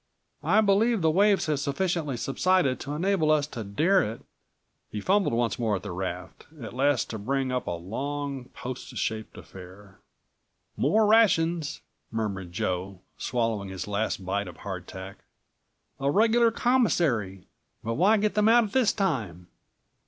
I believe the waves have sufficiently subsided to enable us to dare it." He fumbled once more at the raft, at last to bring up a long, post shaped affair. "More rations," murmured Joe, swallowing his last bite of hardtack; "a regular commissary. But why get them out at this time?"